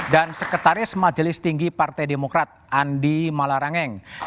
dan sekretaris majelis tinggi partai demokrat andi malarangeng